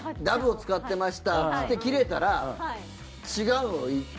ダヴを使ってましたっつって切れたら違うの。